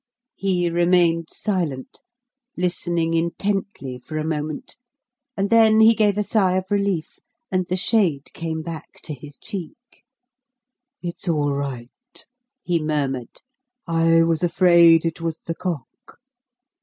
He remained silent, listening intently for a moment, and then he gave a sigh of relief, and the shade came back to his cheek. "It's all right," he murmured; "I was afraid it was the cock."